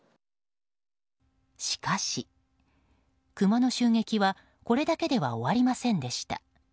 しかし、クマの襲撃はこれだけでは終わりませんでした。